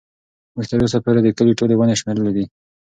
موږ تر اوسه پورې د کلي ټولې ونې شمېرلي دي.